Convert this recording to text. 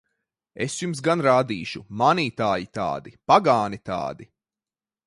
Es jums gan rādīšu! Mānītāji tādi! Pagāni tādi!